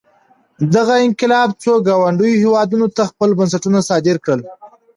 دغه انقلاب څو ګاونډیو هېوادونو ته خپل بنسټونه صادر کړل.